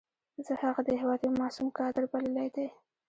زه هغه د هېواد یو معصوم کادر بللی دی.